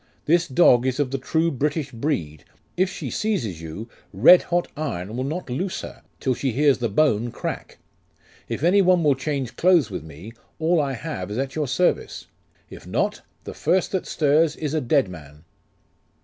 This dog is of the true British breed; if she seizes you, red hot iron will not loose her, till she hears the bone crack. If any one will change clothes with me, all I have is at your service. If not, the first that stirs is a dead man.